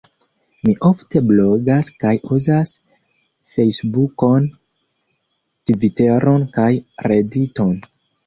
Mi ofte blogas kaj uzas Fejsbukon, Tviteron kaj Rediton.